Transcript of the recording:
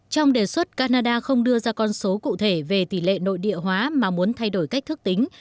trong đề xuất canada không đưa ra con số cụ thể về tỷ lệ nội địa hóa mà muốn thay đổi cách thức tính